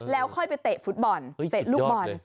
แล้วค่อยไปเตะฟุตบอลเตะลูกบอล